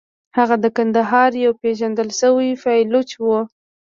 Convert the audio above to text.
هغه د کندهار یو پېژندل شوی پایلوچ و.